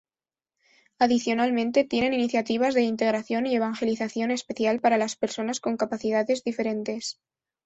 Adicionalmente, tienen iniciativas de integración y evangelización especial para las personas con capacidades diferentes.